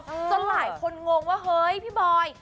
จนหลายคนงงว่าเฮ้ยพี่บอย